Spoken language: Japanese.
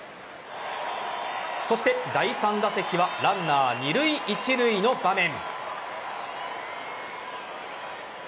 そして第３打席はランナー二塁・一塁の場面。